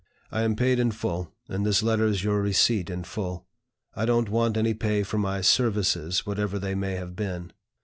I am paid in full, and this letter is your receipt in full. I don't want any pay for my 'services,' whatever they may have been.